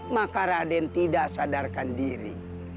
maka raden tidak sadarkan diri